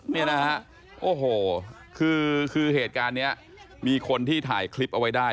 นี่นะฮะโอ้โหคือเหตุการณ์นี้มีคนที่ถ่ายคลิปเอาไว้ได้